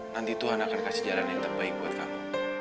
nanti tuhan akan kasih jalan yang terbaik buat kamu